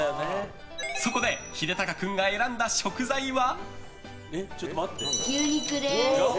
そこで秀鷹君が選んだ食材は。